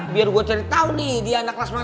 biar gue cari tau nih dia anak kelas mana